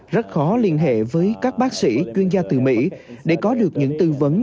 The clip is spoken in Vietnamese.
rất khó liên hệ với các bác sĩ chuyên gia từ mỹ để có được những tư vấn